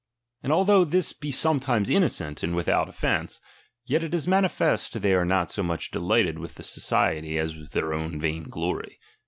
And although this be sometimes innocent and without offence, yet it is manifest they are not so much delighted with the society, as their own vain glory.